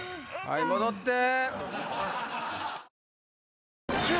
はい戻って。